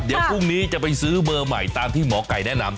เดี๋ยวพรุ่งนี้จะไปซื้อเบอร์ใหม่ตามที่หมอไก่แนะนำ